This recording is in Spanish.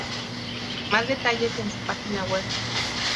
Más detalles en su página web.